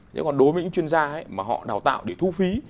thế còn đối với những chuyên gia mà họ đào tạo để thu phí